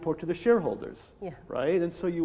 mereka harus menghubungi pemilik